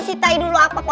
itu mah nek